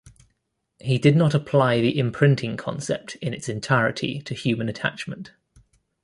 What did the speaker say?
He did not apply the imprinting concept in its entirety to human attachment.